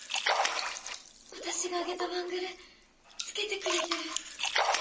私があげたバングル着けてくれてる。